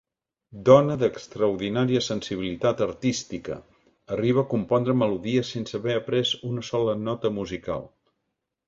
Dona d'extraordinària sensibilitat artística, arriba a compondre melodies sense haver après una sola nota musical.